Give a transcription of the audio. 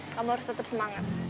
kamu harus tetep semangat